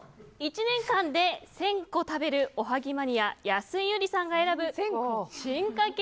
１年間で１０００個食べるおはぎマニア、安井さんが選ぶ進化形